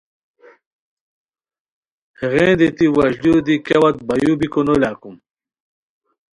ہیغین دیتی وشلیو دی کیا وت بایو بیکو نو لاکوم